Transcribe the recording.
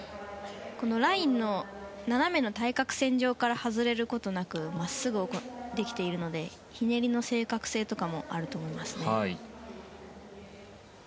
ラインの斜めの対角線上から外れることなく真っすぐできているのでひねりの正確性とかもあると思いますね。